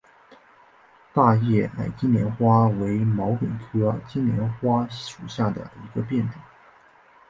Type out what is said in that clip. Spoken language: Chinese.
大叶矮金莲花为毛茛科金莲花属下的一个变种。